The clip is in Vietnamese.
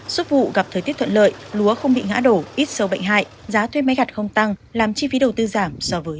xuất vụ gặp thời tiết thuận lợi lúa không bị ngã đổ ít sâu bệnh hại giá thuê máy gặt không tăng làm chi phí đầu tư giảm so với trước